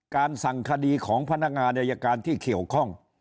สั่งคดีของพนักงานอายการที่เกี่ยวข้อง